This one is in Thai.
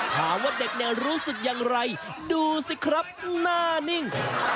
ถามว่าเด็กเนี่ยรู้สึกอย่างไรดูสิครับหน้านิ่ง